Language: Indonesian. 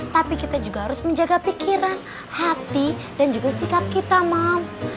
tapi kita juga harus menjaga pikiran hati dan juga sikap kita maps